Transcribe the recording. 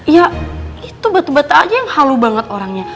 ya itu bete bete aja yang halu banget orangnya